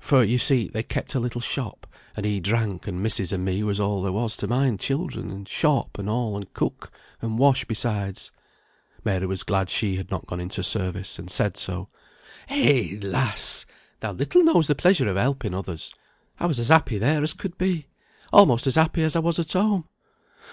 For, you see, they kept a little shop, and he drank, and missis and me was all there was to mind children, and shop, and all, and cook and wash besides." Mary was glad she had not gone into service, and said so. "Eh, lass! thou little knows the pleasure o' helping others; I was as happy there as could be; almost as happy as I was at home.